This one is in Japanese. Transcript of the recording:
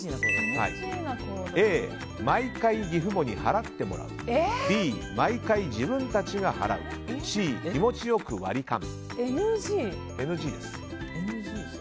Ａ、毎回義父母に払ってもらうＢ、毎回自分たちが払うＣ、気持ちよく割り勘。